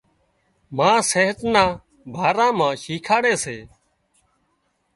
ما صحت نا ڀارا مان شيکاڙي سي